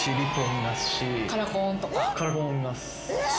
カラコンも見ますし。